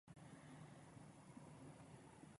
Striking is the small coffered ceiling over the Baptistery.